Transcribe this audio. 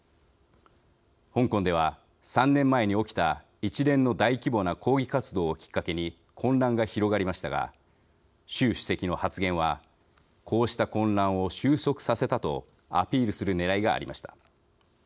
香港では、３年前に起きた一連の大規模な抗議活動をきっかけに混乱が広がりましたが習主席の発言はこうした混乱を収束させたとアピールするねらいがありました。